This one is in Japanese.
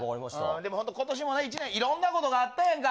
でも本当、ことしも一年、いろんなことがあったやんか。